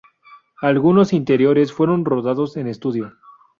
Algunos interiores fueron rodados en estudio.